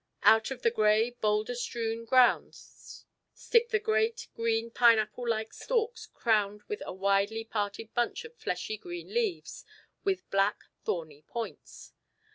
Out of the grey boulder strewn ground stick the great green pineapple like stalks crowned with a widely parted bunch of fleshy green leaves with black thorny points.